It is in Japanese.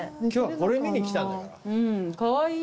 今日はこれ見に来たんだから。